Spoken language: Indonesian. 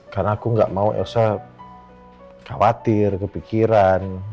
karena aku gak mau elsa khawatir kepikiran